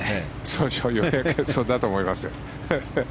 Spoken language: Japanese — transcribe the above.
そうだと思いますよ。